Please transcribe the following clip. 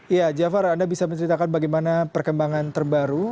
ya jafar anda bisa menceritakan bagaimana perkembangan terbaru